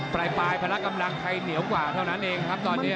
ปลายพละกำลังใครเหนียวกว่าเท่านั้นเองครับตอนนี้